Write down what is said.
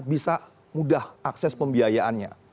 bisa mudah akses pembiayaannya